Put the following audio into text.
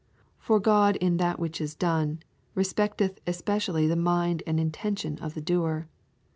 For God in that which is done, respecteth especially the mind and intention of the doer.